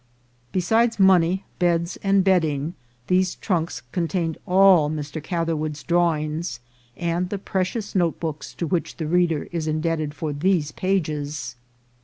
Besides money, beds, and bedding, these trunks contained all Mr. Catherwood's drawings, and the precious notebooks to which the reader is indebted for these pages.